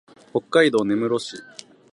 北海道根室市